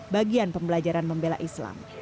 bagian pembelajaran membela islam